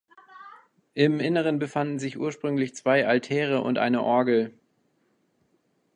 Im Innern befanden ursprünglich sich zwei Altäre und eine Orgel.